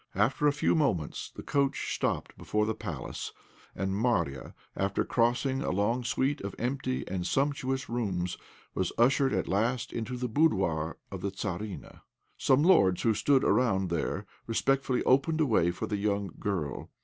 After a few moments the coach stopped before the Palace, and Marya, after crossing a long suite of empty and sumptuous rooms, was ushered at last into the boudoir of the Tzarina. Some lords, who stood around there, respectfully opened a way for the young girl.